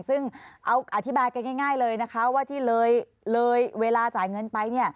ซึ่งเอาอธิบายกันง่ายเลยนะคะว่าที่เลยเวลาจ่ายเงินไป